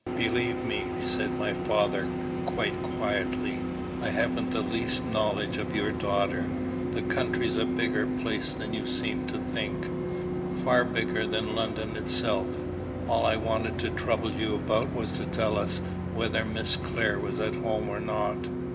"Believe me," said my father quite quietly, "I haven't the least knowledge of your daughter. The country's a bigger place than you seem to think, far bigger than London itself. All I wanted to trouble you about was to tell us whether Miss Clare was at home or not."